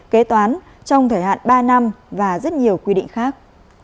kế toán trong thời hạn ba năm và rất nhiều quy định khác